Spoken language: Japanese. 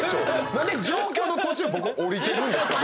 何で上京の途中僕降りてるんですか？